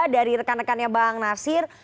dari rekan rekannya bang nasir